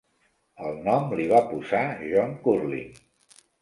El nom l'hi va posar John Curling.